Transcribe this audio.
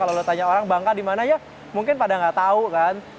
kalau lo tanya orang bangka dimana ya mungkin pada nggak tahu kan